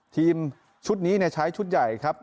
ทีมชุดนี้ใช้ชุดใหญ่ครับ